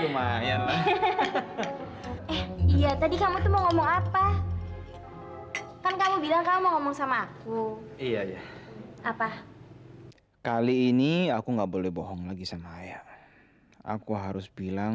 minum dulu kamu mau minum